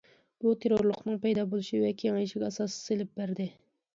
بۇ، تېررورلۇقنىڭ پەيدا بولۇشى ۋە كېڭىيىشىگە ئاساس سېلىپ بەردى.